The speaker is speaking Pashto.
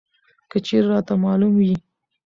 که چېرې راته معلوم وى!